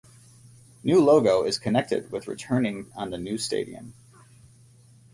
New logo is connected with returning on the new stadium.